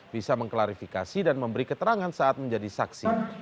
bisa mengklarifikasi dan memberi keterangan saat menjadi saksi